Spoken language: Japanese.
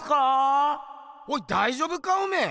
おいだいじょうぶかおめえ！